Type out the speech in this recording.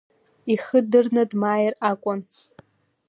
Ихы дырны дмааир акәын.